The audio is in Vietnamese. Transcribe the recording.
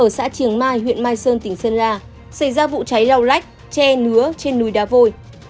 ở xã triển mai huyện mai sơn tỉnh sơn la xảy ra vụ cháy lau lách che nứa trên núi đá vôi